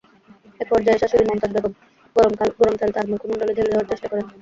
একপর্যায়ে শাশুড়ি মমতাজ বেগম গরম তেল তাঁর মুখমণ্ডলে ঢেলে দেওয়ার চেষ্টা করেন।